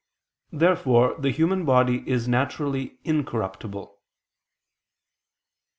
Therefore the human body is naturally incorruptible.